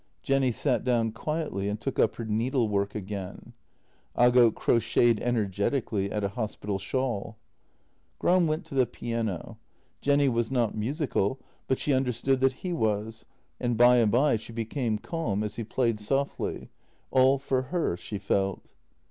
Jenny sat down quietly and took up her needlework again. Aagot crocheted energetically at a hospital shawl. Gram went to the piano. Jenny was not musical, but she understood that he was, and by and by she became calm as he played softly — all for her, she felt.